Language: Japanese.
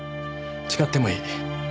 誓ってもいい。